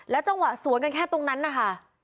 จังหวะสวนกันแค่ตรงนั้นนะคะ